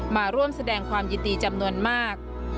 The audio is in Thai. มาร่วมแสดงความยินดีจำนวนมาก